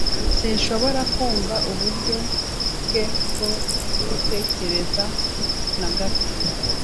Sinshobora kumva uburyo bwe bwo gutekereza na gato.